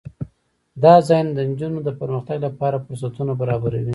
دا ځایونه د نجونو د پرمختګ لپاره فرصتونه برابروي.